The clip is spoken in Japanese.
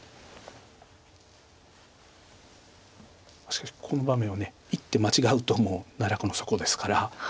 しかしこの場面は一手間違うともう奈落の底ですから。